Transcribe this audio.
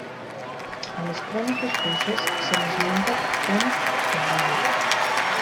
A les cròniques russes se l'esmenta com Kasai.